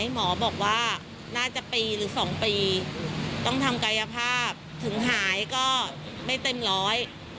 หมอบอกว่าน่าจะปีหรือสองปีต้องทำกายภาพถึงหายก็ไม่เต็มร้อย